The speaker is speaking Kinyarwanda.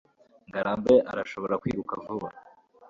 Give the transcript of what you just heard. ngarambe arashobora kwiruka vuba